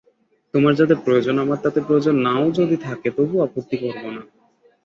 তোমার যাতে প্রয়োজন আমার তাতে প্রয়োজন না-ও যদি থাকে তবু আপত্তি করব না।